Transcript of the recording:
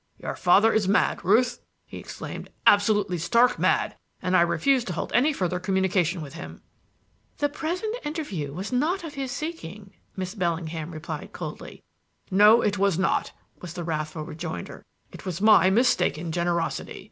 "Your father is mad, Ruth!" he exclaimed; "absolutely stark mad! And I refuse to hold any further communication with him." "The present interview was not of his seeking," Miss Bellingham replied coldly. "No, it was not," was the wrathful rejoinder; "it was my mistaken generosity.